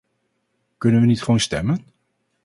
Kunnen we niet gewoon stemmen?